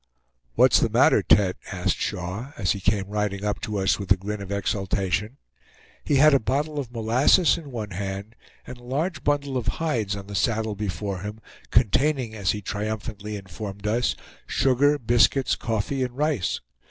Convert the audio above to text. "What's the matter, Tete?" asked Shaw, as he came riding up to us with a grin of exultation. He had a bottle of molasses in one hand, and a large bundle of hides on the saddle before him, containing, as he triumphantly informed us, sugar, biscuits, coffee, and rice.